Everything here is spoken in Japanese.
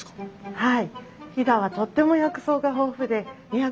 はい。